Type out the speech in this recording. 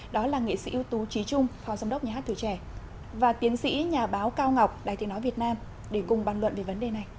đó là nghệ sĩ ưu tú trí trung phó giám đốc nhà hát tuổi trẻ và tiến sĩ nhà báo cao ngọc đài tiếng nói việt nam để cùng bàn luận về vấn đề này